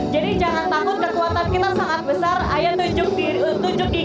jadi jangan takut kekuatan kita sangat besar ayah tunjuk gigi